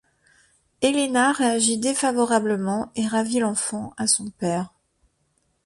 Elena réagit défavorablement et ravit l'enfant à son père.